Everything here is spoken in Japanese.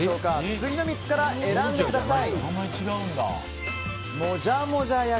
次の３つから選んでください。